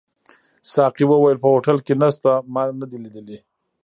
ساقي وویل: په هوټل کي نشته، ما نه دي لیدلي.